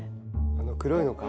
あの黒いのか。